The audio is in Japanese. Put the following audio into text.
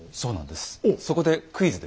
そこでクイズです。